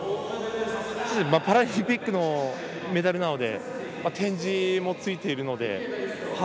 パラリンピックのメダルなので点字もついているので。